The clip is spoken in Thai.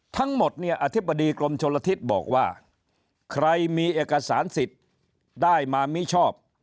ทั้งหมดเนี่ยอธิบดีกรมชนลทิศบอกว่าใครมีเอกสารสิทธิ์ได้มามิชอบ